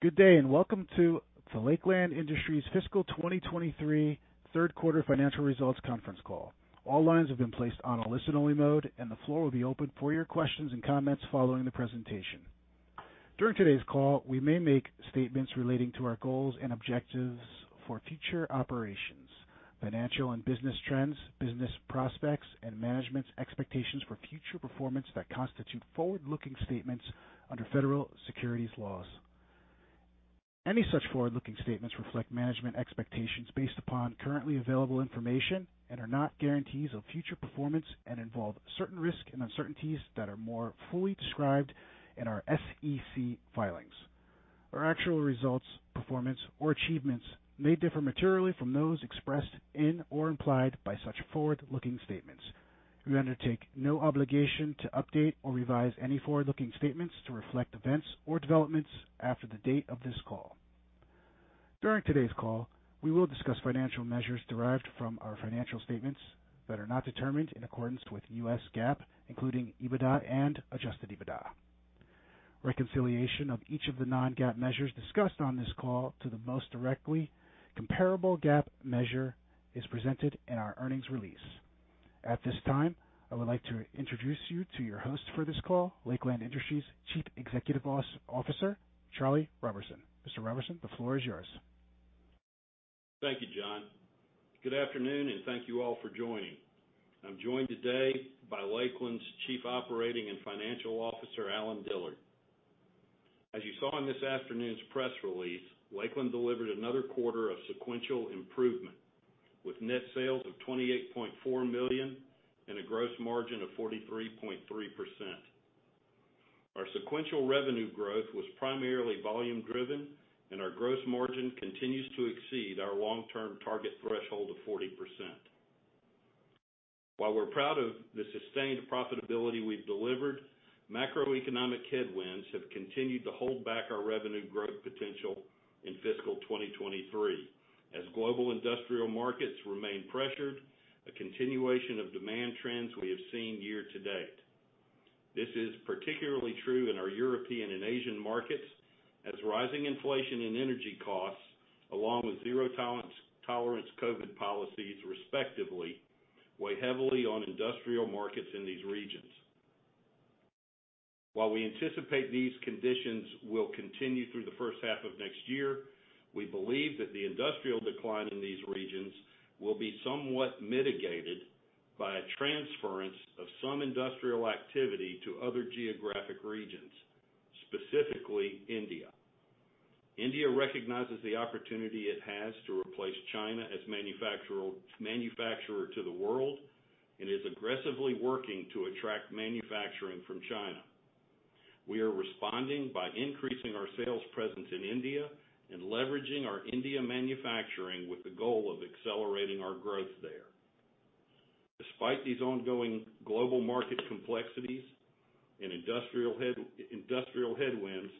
Good day, and welcome to the Lakeland Industries Fiscal 2023 third quarter financial results conference call. All lines have been placed on a listen-only mode, and the floor will be open for your questions and comments following the presentation. During today's call, we may make statements relating to our goals and objectives for future operations, financial and business trends, business prospects, and management's expectations for future performance that constitute forward-looking statements under federal securities laws. Any such forward-looking statements reflect management expectations based upon currently available information and are not guarantees of future performance and involve certain risks and uncertainties that are more fully described in our SEC filings. Our actual results, performance, or achievements may differ materially from those expressed in or implied by such forward-looking statements. We undertake no obligation to update or revise any forward-looking statements to reflect events or developments after the date of this call. During today's call, we will discuss financial measures derived from our financial statements that are not determined in accordance with US GAAP, including EBITDA and adjusted EBITDA. Reconciliation of each of the non-GAAP measures discussed on this call to the most directly comparable GAAP measure is presented in our earnings release. At this time, I would like to introduce you to your host for this call, Lakeland Industries Chief Executive Officer, Charles Roberson. Mr. Roberson, the floor is yours. Thank you, John. Good afternoon. Thank you all for joining. I'm joined today by Lakeland's Chief Operating and Financial Officer, Allen Dillard. As you saw in this afternoon's press release, Lakeland delivered another quarter of sequential improvement, with net sales of $28.4 million and a gross margin of 43.3%. Our sequential revenue growth was primarily volume driven, and our gross margin continues to exceed our long-term target threshold of 40%. While we're proud of the sustained profitability we've delivered, macroeconomic headwinds have continued to hold back our revenue growth potential in fiscal 2023 as global industrial markets remain pressured, a continuation of demand trends we have seen year to date. This is particularly true in our European and Asian markets as rising inflation and energy costs, along with zero tolerance COVID policies respectively, weigh heavily on industrial markets in these regions. While we anticipate these conditions will continue through the first half of next year, we believe that the industrial decline in these regions will be somewhat mitigated by a transference of some industrial activity to other geographic regions, specifically India. India recognizes the opportunity it has to replace China as manufacturer to the world and is aggressively working to attract manufacturing from China. We are responding by increasing our sales presence in India and leveraging our India manufacturing with the goal of accelerating our growth there. Despite these ongoing global market complexities and industrial headwinds,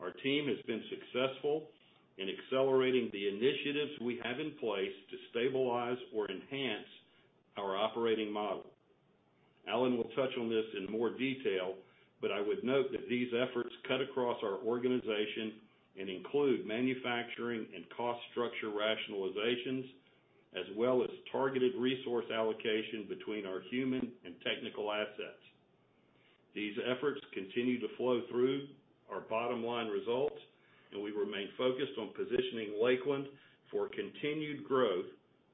our team has been successful in accelerating the initiatives we have in place to stabilize or enhance our operating model. Allen will touch on this in more detail. I would note that these efforts cut across our organization and include manufacturing and cost structure rationalizations as well as targeted resource allocation between our human and technical assets. These efforts continue to flow through our bottom-line results. We remain focused on positioning Lakeland for continued growth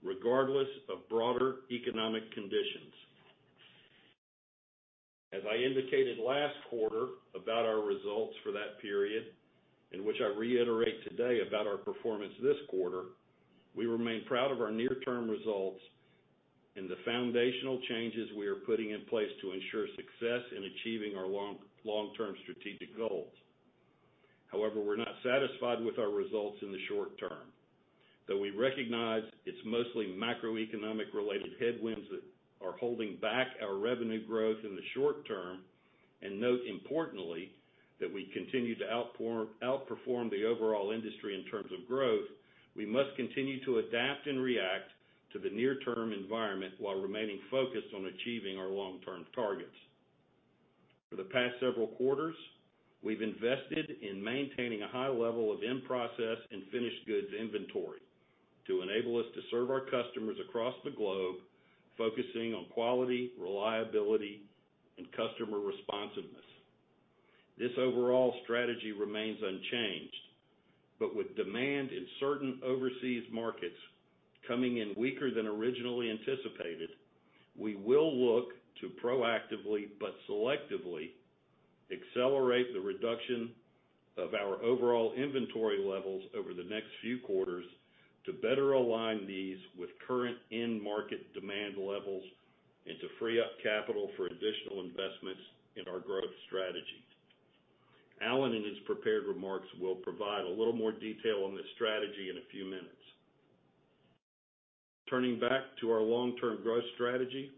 regardless of broader economic conditions. As I indicated last quarter about our results for that period, which I reiterate today about our performance this quarter, we remain proud of our near-term results and the foundational changes we are putting in place to ensure success in achieving our long-term strategic goals. We're not satisfied with our results in the short term. We recognize it's mostly macroeconomic-related headwinds that are holding back our revenue growth in the short term, and note importantly that we continue to outperform the overall industry in terms of growth, we must continue to adapt and react to the near-term environment while remaining focused on achieving our long-term targets. For the past several quarters, we've invested in maintaining a high level of in-process and finished goods inventory to enable us to serve our customers across the globe, focusing on quality, reliability, and customer responsiveness. This overall strategy remains unchanged, with demand in certain overseas markets coming in weaker than originally anticipated, we will look to proactively but selectively accelerate the reduction of our overall inventory levels over the next few quarters to better align these with current end market demand levels and to free up capital for additional investments in our growth strategies. Allen in his prepared remarks, will provide a little more detail on this strategy in a few minutes. Turning back to our long-term growth strategy.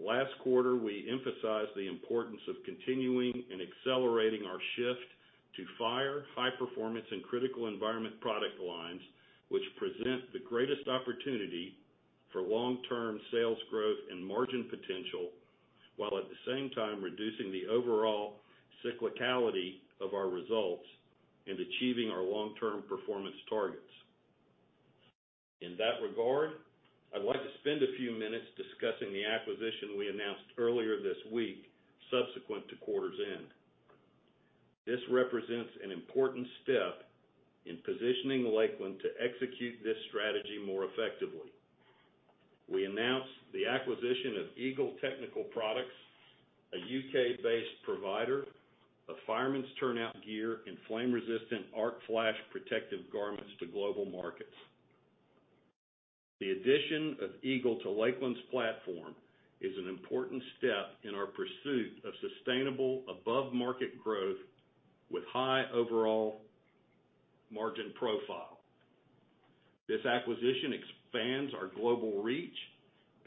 Last quarter, we emphasized the importance of continuing and accelerating our shift tofire, high-performance and critical environment product lines, which present the greatest opportunity for long-term sales growth and margin potential, while at the same time reducing the overall cyclicality of our results and achieving our long-term performance targets. In that regard, I'd like to spend a few minutes discussing the acquisition we announced earlier this week subsequent to quarter's end. This represents an important step in positioning Lakeland to execute this strategy more effectively. We announced the acquisition of Eagle Technical Products, a UK-based provider of firefighter turnout gear and flame-resistant arc flash protective garments to global markets. The addition of Eagle to Lakeland's platform is an important step in our pursuit of sustainable above-market growth with high overall margin profile. This acquisition expands our global reach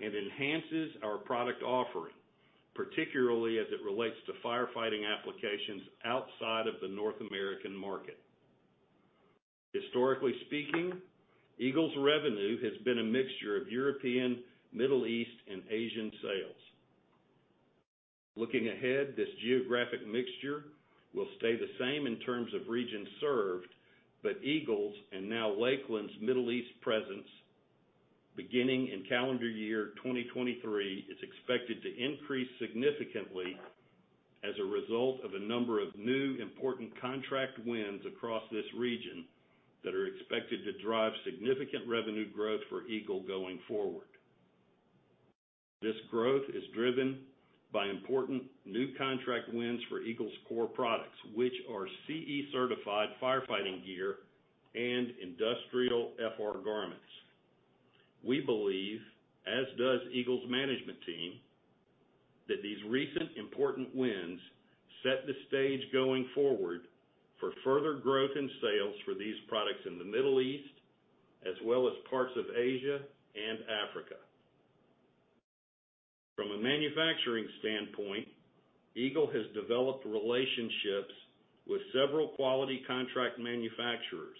and enhances our product offering, particularly as it relates to firefighting applications outside of the North American market. Historically speaking, Eagle's revenue has been a mixture of European, Middle East, and Asian sales. Looking ahead, this geographic mixture will stay the same in terms of regions served, but Eagle's, and now Lakeland's Middle East presence beginning in calendar year 2023, is expected to increase significantly as a result of a number of new important contract wins across this region that are expected to drive significant revenue growth for Eagle going forward. This growth is driven by important new contract wins for Eagle's core products, which are CE certified firefighting gear and industrial FR garments. We believe, as does Eagle's management team, that these recent important wins set the stage going forward for further growth in sales for these products in the Middle East, as well as parts of Asia and Africa. From a manufacturing standpoint, Eagle has developed relationships with several quality contract manufacturers,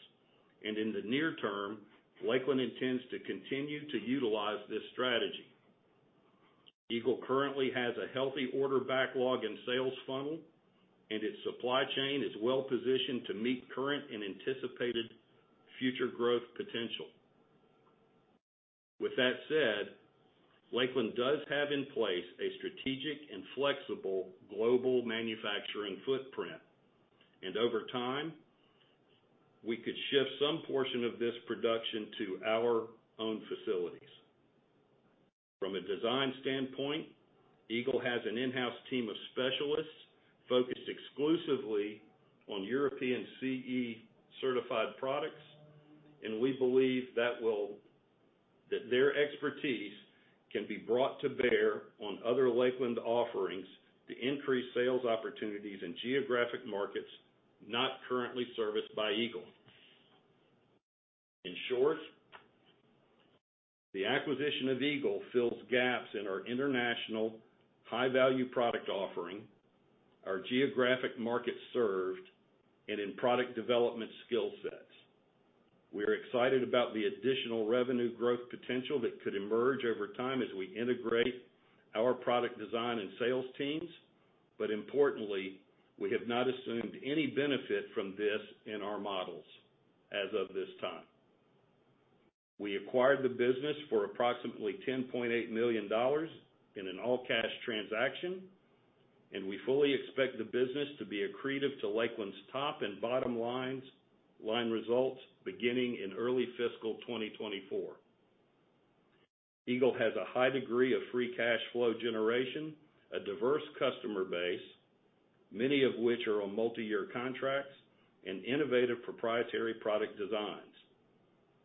and in the near term, Lakeland intends to continue to utilize this strategy. Eagle currently has a healthy order backlog and sales funnel, and its supply chain is well-positioned to meet current and anticipated future growth potential. With that said, Lakeland does have in place a strategic and flexible global manufacturing footprint, and over time, we could shift some portion of this production to our own facilities. From a design standpoint, Eagle has an in-house team of specialists focused exclusively on European CE certified products, and we believe that their expertise can be brought to bear on other Lakeland offerings to increase sales opportunities in geographic markets not currently serviced by Eagle. In short, the acquisition of Eagle fills gaps in our international high-value product offering, our geographic market served, and in product development skill sets. We're excited about the additional revenue growth potential that could emerge over time as we integrate our product design and sales teams. Importantly, we have not assumed any benefit from this in our models as of this time. We acquired the business for approximately $10.8 million in an all-cash transaction, and we fully expect the business to be accretive to Lakeland's top and bottom line results beginning in early fiscal 2024. Eagle has a high degree of free cash flow generation, a diverse customer base, many of which are on multiyear contracts, and innovative proprietary product designs.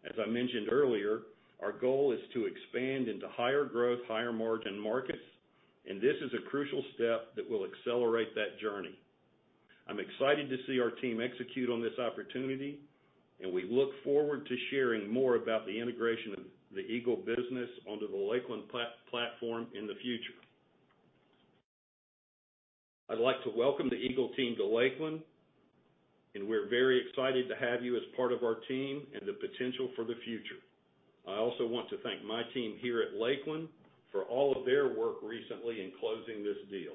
As I mentioned earlier, our goal is to expand into higher growth, higher margin markets, and this is a crucial step that will accelerate that journey. I'm excited to see our team execute on this opportunity, and we look forward to sharing more about the integration of the Eagle business onto the Lakeland platform in the future. I'd like to welcome the Eagle team to Lakeland, and we're very excited to have you as part of our team and the potential for the future. I also want to thank my team here at Lakeland for all of their work recently in closing this deal.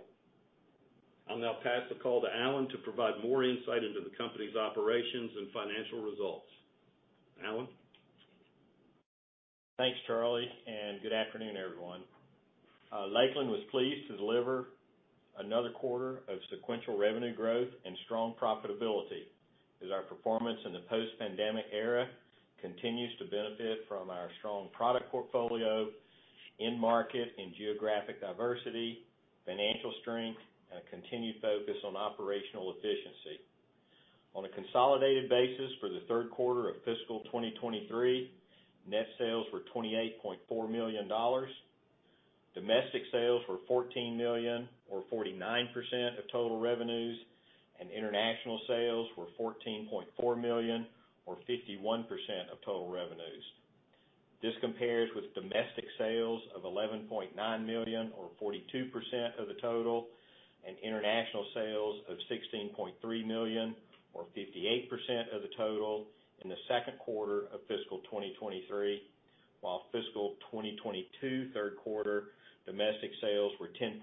I'll now pass the call to Allen to provide more insight into the company's operations and financial results. Allen? Thanks, Charles. Good afternoon, everyone. Lakeland Industries was pleased to deliver another quarter of sequential revenue growth and strong profitability as our performance in the post-pandemic era continues to benefit from our strong product portfolio, end market and geographic diversity, financial strength, and a continued focus on operational efficiency. On a consolidated basis for the third quarter of fiscal 2023, net sales were $28.4 million. Domestic sales were $14 million or 49% of total revenues, and international sales were $14.4 million or 51% of total revenues. This compares with domestic sales of $11.9 million or 42% of the total, and international sales of $16.3 million or 58% of the total in the second quarter of fiscal 2023, while fiscal 2022 third quarter domestic sales were $10.6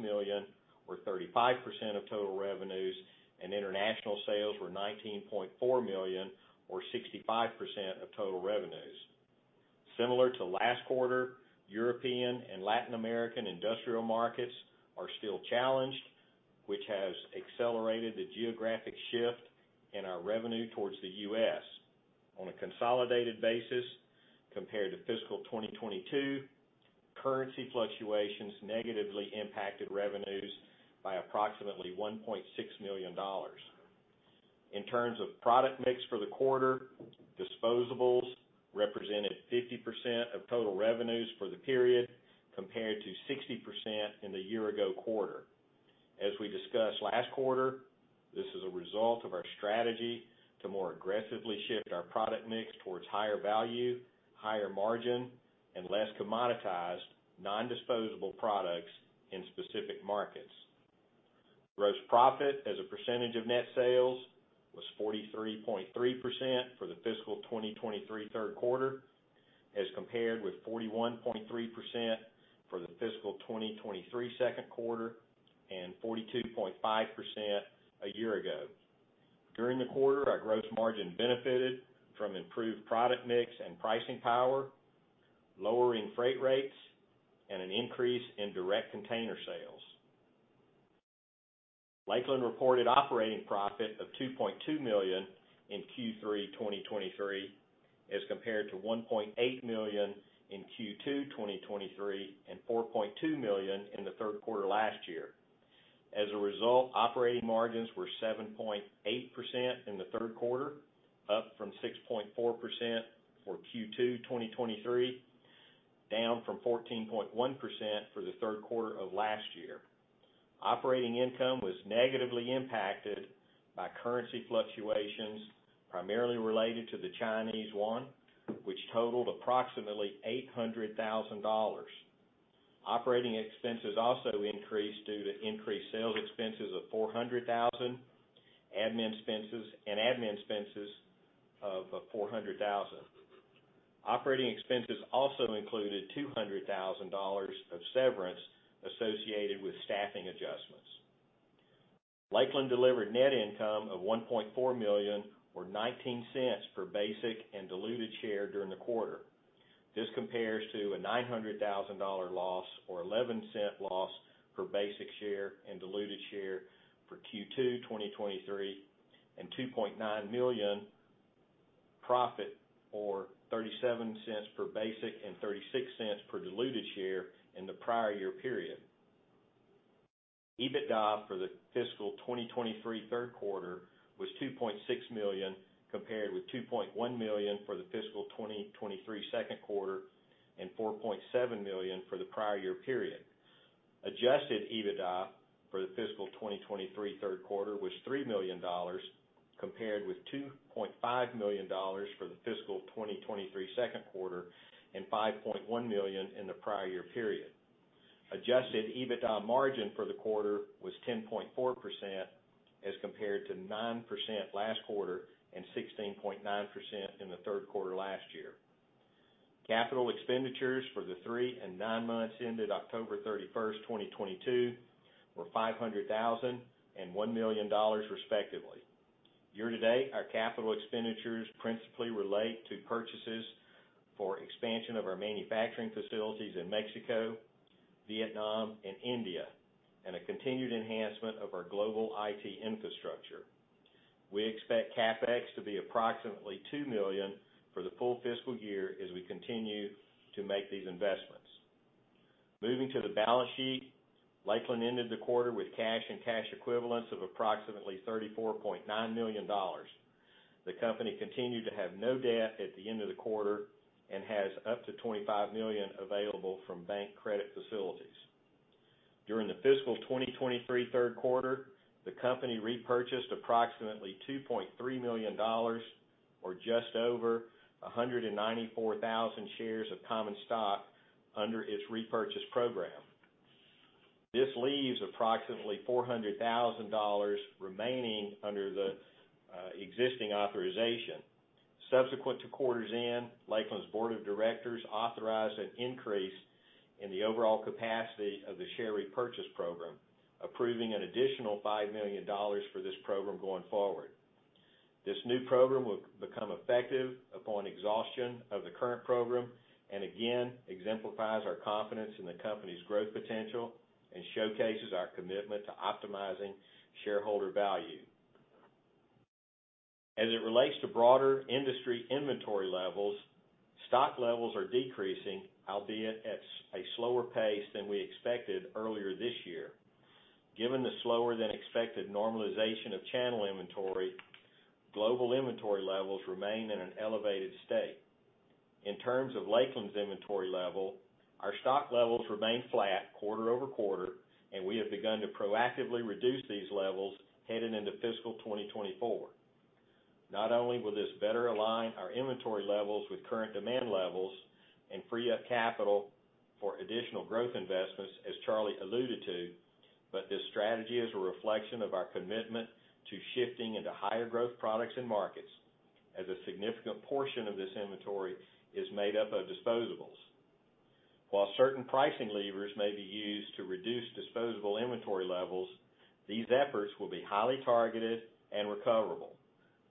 million or 35% of total revenues, and international sales were $19.4 million or 65% of total revenues. Similar to last quarter, European and Latin American industrial markets are still challenged, which has accelerated the geographic shift in our revenue towards the U.S. On a consolidated basis compared to fiscal 2022, currency fluctuations negatively impacted revenues by approximately $1.6 million. In terms of product mix for the quarter, disposables represented 50% of total revenues for the period, compared to 60% in the year ago quarter. As we discussed last quarter, this is a result of our strategy to more aggressively shift our product mix towards higher value, higher margin, and less commoditized non-disposable products in specific markets. Gross profit as a percentage of net sales was 43.3% for the fiscal 2023 third quarter, as compared with 41.3% for the fiscal 2023 second quarter and 42.5% a year ago. During the quarter, our gross margin benefited from improved product mix and pricing power, lowering freight rates, and an increase in direct container sales. Lakeland reported operating profit of $2.2 million in Q3 2023, as compared to $1.8 million in Q2 2023, and $4.2 million in the third quarter last year. Operating margins were 7.8% in the third quarter, up from 6.4% for Q2 2023, down from 14.1% for the third quarter of last year. Operating income was negatively impacted by currency fluctuations, primarily related to the Chinese yuan, which totaled approximately $800,000. Operating expenses also increased due to increased sales expenses of $400,000, admin expenses, and admin expenses of $400,000. Operating expenses also included $200,000 of severance associated with staffing adjustments. Lakeland delivered net income of $1.4 million or $0.19 per basic and diluted share during the quarter. This compares to a $900,000 loss or $0.11 loss per basic share and diluted share for Q2 2023, and $2.9 million profit or $0.37 per basic and $0.36 per diluted share in the prior year period. EBITDA for the fiscal 2023 third quarter was $2.6 million compared with $2.1 million for the fiscal 2023 second quarter and $4.7 million for the prior year period. adjusted EBITDA for the fiscal 2023 third quarter was $3 million, compared with $2.5 million for the fiscal 2023 second quarter and $5.1 million in the prior year period. adjusted EBITDA margin for the quarter was 10.4% as compared to 9% last quarter and 16.9% in the third quarter last year. Capital expenditures for the 3 and 9 months ended October 31, 2022, were $500,000 and $1 million, respectively. Year to date, our capital expenditures principally relate to purchases for expansion of our manufacturing facilities in Mexico, Vietnam and India, and a continued enhancement of our global IT infrastructure. We expect CapEx to be approximately $2 million for the full fiscal year as we continue to make these investments. Moving to the balance sheet. Lakeland ended the quarter with cash and cash equivalents of approximately $34.9 million. The company continued to have no debt at the end of the quarter and has up to $25 million available from bank credit facilities. During the fiscal 2023 third quarter, the company repurchased approximately $2.3 million or just over 194,000 shares of common stock under its repurchase program. This leaves approximately $400,000 remaining under the existing authorization. Subsequent to quarters in, Lakeland's board of directors authorized an increase in the overall capacity of the share repurchase program, approving an additional $5 million for this program going forward. Again exemplifies our confidence in the company's growth potential and showcases our commitment to optimizing shareholder value. As it relates to broader industry inventory levels, stock levels are decreasing, albeit at a slower pace than we expected earlier this year. Given the slower than expected normalization of channel inventory, global inventory levels remain in an elevated state. In terms of Lakeland's inventory level, our stock levels remain flat quarter-over-quarter. We have begun to proactively reduce these levels heading into fiscal 2024. Not only will this better align our inventory levels with current demand levels and free up capital for additional growth investments, as Charles alluded to, but this strategy is a reflection of our commitment to shifting into higher growth products and markets as a significant portion of this inventory is made up of disposables. While certain pricing levers may be used to reduce disposable inventory levels, these efforts will be highly targeted and recoverable.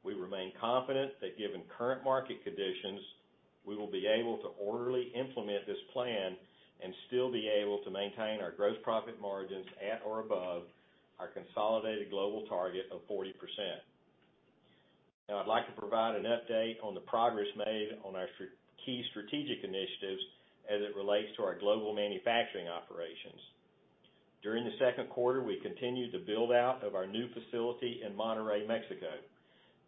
We remain confident that given current market conditions, we will be able to orderly implement this plan and still be able to maintain our gross profit margins at or above our consolidated global target of 40%. Now I'd like to provide an update on the progress made on our key strategic initiatives as it relates to our global manufacturing operations. During the second quarter, we continued the build out of our new facility in Monterrey, Mexico.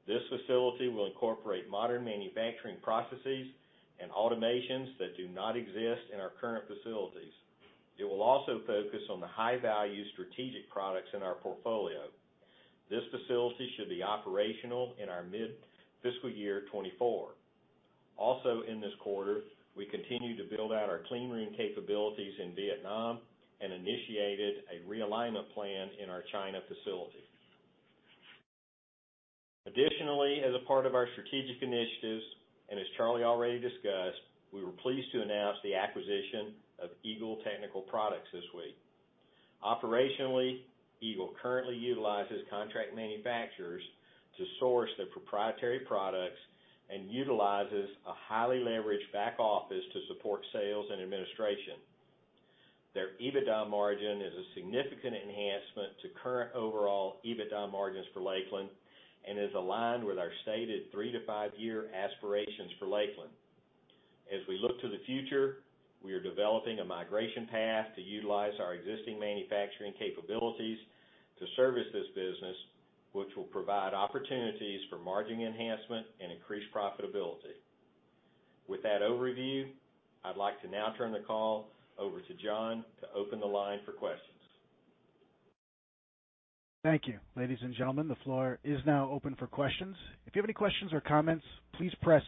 This facility will incorporate modern manufacturing processes and automations that do not exist in our current facilities. It will also focus on the high-value strategic products in our portfolio. This facility should be operational in our mid-fiscal year 2024. Also, in this quarter, we continued to build out our clean room capabilities in Vietnam and initiated a realignment plan in our China facility. Additionally, as a part of our strategic initiatives, and as Charles already discussed, we were pleased to announce the acquisition of Eagle Technical Products this week. Operationally, Eagle currently utilizes contract manufacturers to source their proprietary products and utilizes a highly leveraged back office to support sales and administration. Their EBITDA margin is a significant enhancement to current overall EBITDA margins for Lakeland and is aligned with our stated three-to-five year aspirations for Lakeland. As we look to the future, we are developing a migration path to utilize our existing manufacturing capabilities to service this business, which will provide opportunities for margin enhancement and increased profitability. With that overview, I'd like to now turn the call over to John to open the line for questions. Thank you. Ladies and gentlemen, the floor is now open for questions. If you have any questions or comments, please press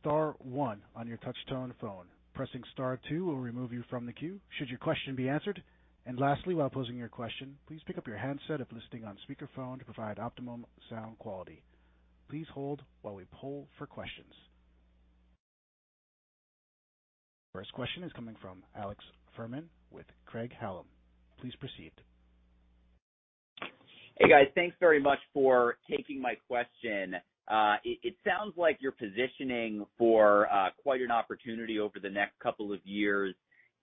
star one on your touch-tone phone. Pressing star two will remove you from the queue should your question be answered. Lastly, while posing your question, please pick up your handset if listening on speakerphone to provide optimum sound quality. Please hold while we poll for questions. First question is coming from Alex Fuhrman with Craig-Hallum. Please proceed. Hey, guys. Thanks very much for taking my question. It sounds like you're positioning for quite an opportunity over the next couple of years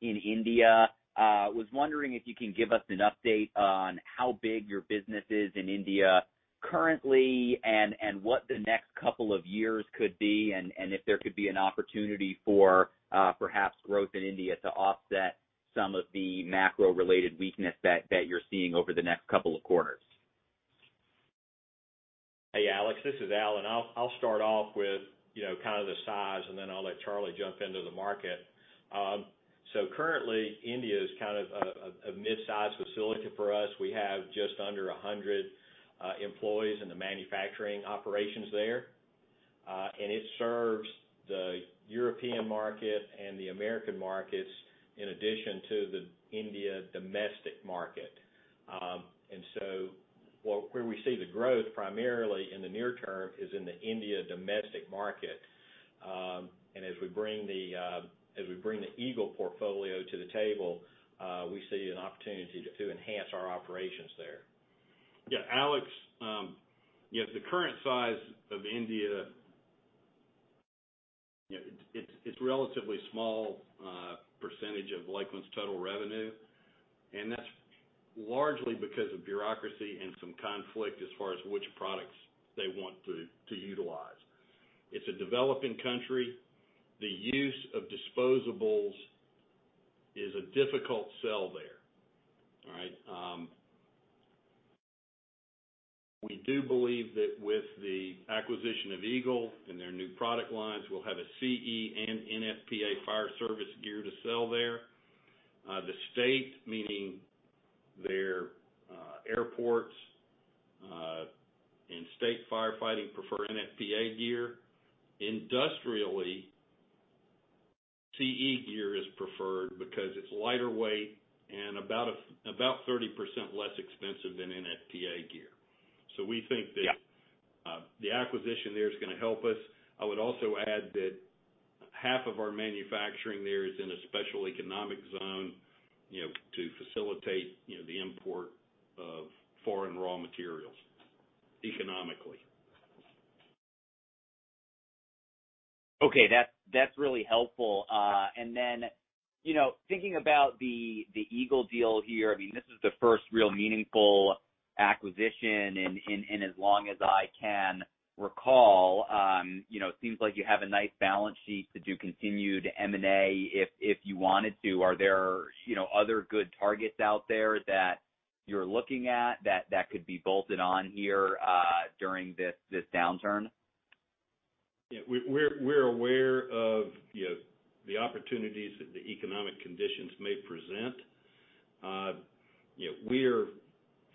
in India. Was wondering if you can give us an update on how big your business is in India currently and what the next couple of years could be, and if there could be an opportunity for perhaps growth in India to offset some of the macro-related weakness that you're seeing over the next couple of quarters. Hey, Alex, this is Al. I'll start off with, you know, kind of the size. Then I'll let Charles jump into the market. Currently, India is kind of a mid-size facility for us. We have just under 100 employees in the manufacturing operations there. It serves the European market and the American markets in addition to the India domestic market. Where we see the growth primarily in the near term is in the India domestic market. As we bring the Eagle portfolio to the table, we see an opportunity to enhance our operations there. Yeah, Alex, yeah, the current size of India, you know, it's relatively small, percentage of Lakeland's total revenue, and that's largely because of bureaucracy and some conflict as far as which products they want to utilize. It's a developing country. The use of disposables is a difficult sell there. All right? We do believe that with the acquisition of Eagle and their new product lines, we'll have a CE and NFPA fire service gear to sell there. The state, meaning their airports, and state firefighting prefer NFPA gear. Industrially, CE gear is preferred because it's lighter weight and about 30% less expensive than NFPA gear. We think that Yeah. The acquisition there is gonna help us. I would also add that half of our manufacturing there is in a special economic zone, you know, to facilitate, you know, the import of foreign raw materials economically. Okay. That's really helpful. And then, you know, thinking about the Eagle deal here, I mean, this is the first real meaningful acquisition in as long as I can recall. You know, it seems like you have a nice balance sheet to do continued M&A if you wanted to. Are there, you know, other good targets out there that you're looking at that could be bolted on here during this downturn? Yeah. We're aware of, you know, the opportunities that the economic conditions may present. You know, we're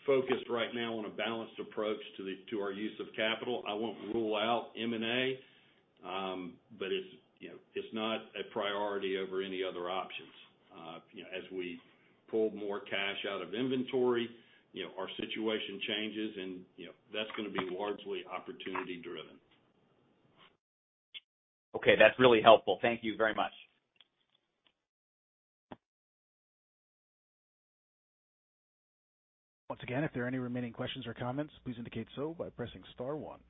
focused right now on a balanced approach to our use of capital. I won't rule out M&A, but it's, you know, it's not a priority over any other options. You know, as we pull more cash out of inventory, you know, our situation changes and, you know, that's gonna be largely opportunity driven. Okay. That's really helpful. Thank you very much. Once again, if there are any remaining questions or comments, please indicate so by pressing star one.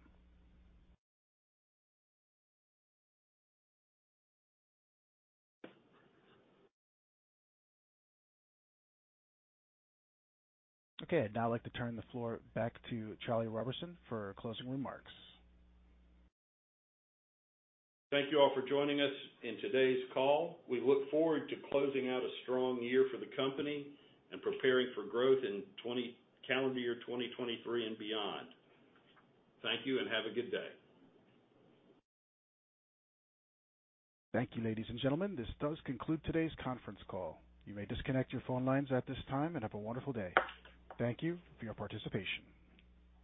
Okay, I'd now like to turn the floor back to Charles Roberson for closing remarks. Thank you all for joining us in today's call. We look forward to closing out a strong year for the company and preparing for growth in calendar year 2023 and beyond. Thank you. Have a good day. Thank you, ladies and gentlemen. This does conclude today's conference call. You may disconnect your phone lines at this time and have a wonderful day. Thank you for your participation.